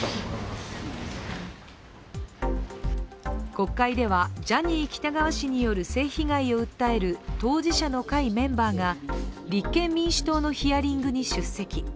国会では、ジャニー喜多川氏による性被害を訴える当事者の会メンバーが立憲民主党のヒアリングに出席。